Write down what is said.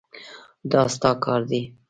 دا ستا کار دی.